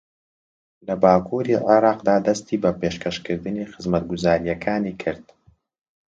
لە باکووری عێراقدا دەستی بە پێشەکەشکردنی خزمەتگوزارییەکانی کرد